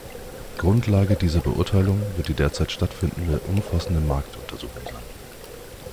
Grundlage dieser Beurteilung wird die derzeit stattfindende umfassende Marktuntersuchung sein.